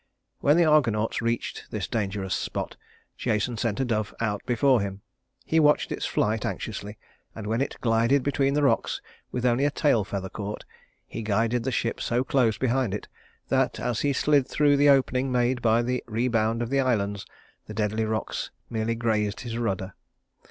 When the Argonauts reached this dangerous spot, Jason sent a dove out before him. He watched its flight anxiously, and when it glided between the rocks with only a tail feather caught, he guided the ship so close behind it that, as he slid through the opening made by the rebound of the islands, the deadly rocks merely grazed his rudder.